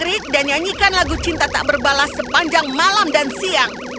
menarik dan nyanyikan lagu cinta tak berbalas sepanjang malam dan siang